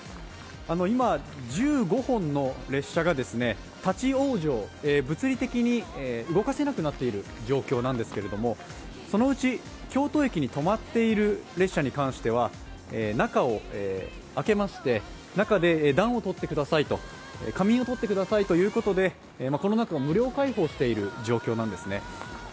今、１５本の列車が立往生、物理的に動かせなくなっている状況なんですけど、そのうち、京都駅に止まっている列車に関しては中を開けまして、中で暖を取ってくださいと仮眠を取ってくださいということで、無料開放している状況なんですね。